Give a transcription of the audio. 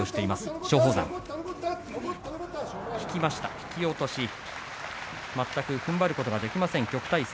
引き落とし全くふんばることができません旭大星。